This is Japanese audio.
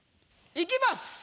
いきます。